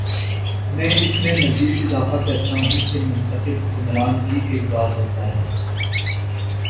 میں اس میں مزید اضافہ کرتا ہوں کہ منتخب حکمران بھی ایک ڈھال ہوتا ہے۔